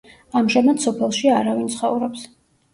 ამჟამად სოფელში არავინ ცხოვრობს.